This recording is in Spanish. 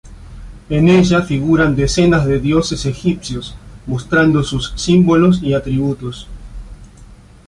En ella figuran decenas de dioses egipcios, mostrando sus símbolos y atributos.